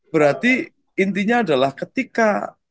berarti intinya adalah ketika